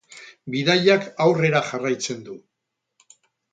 Bidaiak aurrera jarraitzen du.